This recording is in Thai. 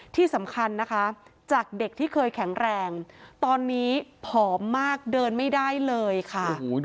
ที่สำคัญนะคะจากเด็กที่เคยแข็งแรงตอนนี้ผอมมากเดินไม่ได้เลยค่ะ